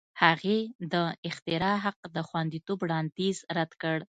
هغې د اختراع حق د خوندیتوب وړاندیز رد کړ.